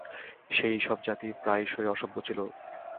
সেই-সব জাতি প্রায়শ অসভ্য ছিল।